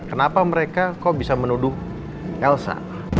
kenapa mereka kok bisa menuduh elsa